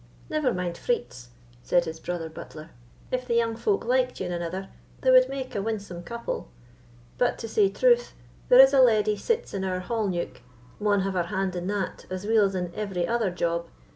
never mind freits," said his brother butler; "if the young folk liked ane anither, they wad make a winsome couple. But, to say truth, there is a leddy sits in our hall neuk, maun have her hand in that as weel as in every other job.